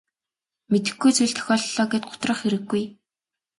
Мэдэхгүй зүйл тохиолдлоо гээд гутрах хэрэггүй.